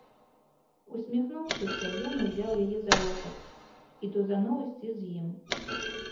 Усміхнуўшыся, ён узяў яе за локаць і тузануў ісці з ім.